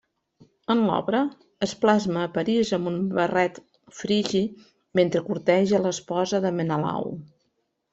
En l'obra es plasma a Paris amb un barret frigi mentre corteja l'esposa de Menelau.